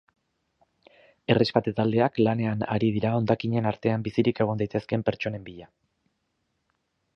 Erreskate-taldeak lanean ari dira hondakinen artean bizirik egon daitezkeen pertsonen bila.